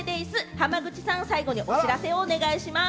浜口さん最後にお知らせをお願いします。